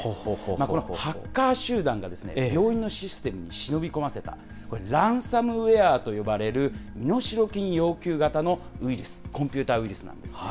このハッカー集団が、病院のシステムに忍び込ませた、これ、ランサムウエアと呼ばれる、身代金要求型のウイルス、コンピューターウイルスなんですね。